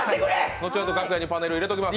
後ほど楽屋にパネル、入れておきます。